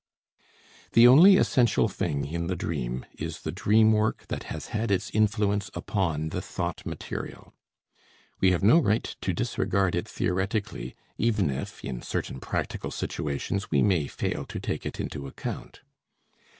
The only essential thing in the dream is the dream work that has had its influence upon the thought material. We have no right to disregard it theoretically even if, in certain practical situations, we may fail to take it into account.